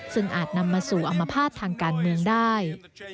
ซึ่งอาจนำมาสู่อมภาษณ์ทางการเมืองได้